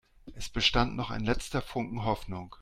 Es bestand noch ein letzter Funken Hoffnung.